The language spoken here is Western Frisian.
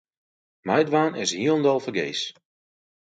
Meidwaan is hielendal fergees.